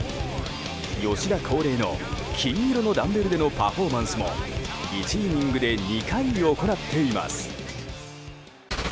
吉田恒例の金色のダンベルでのパフォーマンスも１イニングで２回行っています。